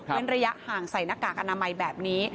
ระยะห่างใส่หน้ากากอนามัยแบบนี้